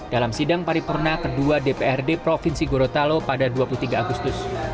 dalam sidang paripurna kedua dprd provinsi gorontalo pada dua puluh tiga agustus